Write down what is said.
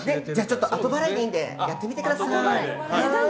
後払いでいいんでやってみてください。